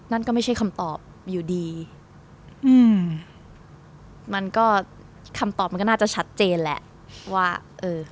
นั่นก็ไม่ใช่คำตอบอยู่ดีอืมมันก็คำตอบมันก็น่าจะชัดเจนแหละว่าเออ